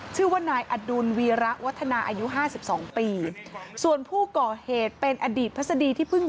ชื่อว่านายอดุลวีระวัฒนาอายุห้าสิบสองปีส่วนผู้ก่อเหตุเป็นอดีตพัศดีที่เพิ่ง